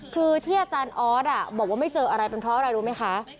คือที่อาจารย์ออสบอกว่าไม่เจออะไรเป็นเพราะอะไรรู้ไหมคะ